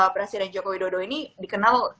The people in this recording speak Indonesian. presiden joko widodo ini dikenal